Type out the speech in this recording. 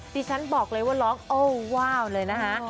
ดิฉันบอกเลยว่าร้องโอ้ว้าวเลยนะคะ